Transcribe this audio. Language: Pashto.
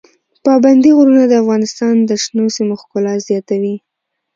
پابندي غرونه د افغانستان د شنو سیمو ښکلا زیاتوي.